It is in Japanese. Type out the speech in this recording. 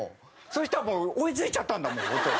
そうしたらもう追いついちゃったんだもん音。